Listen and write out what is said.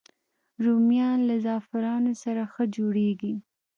رومیان له زعفرانو سره ښه جوړېږي